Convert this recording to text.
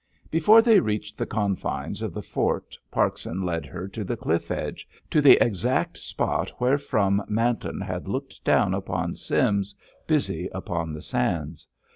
Before they reached the confines of the fort Parkson led her to the cliff edge, to the exact spot wherefrom Manton had looked down upon Sims busy upon the sands.